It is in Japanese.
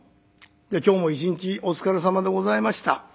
今日も一日お疲れさまでございました。